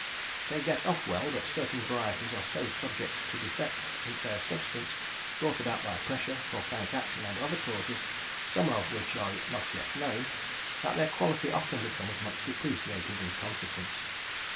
They get up well, but certain varieties are so subject to defects in their substance, brought about by pressure, volcanic action, and other causes, some of which are not yet known, that their quality often becomes much depreciated in consequence.